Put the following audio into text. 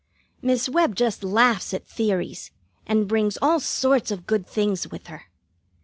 Miss Webb just laughs at theories, and brings all sorts of good things with her.